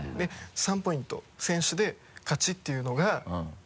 ３ポイント先取で勝ちっていうのが。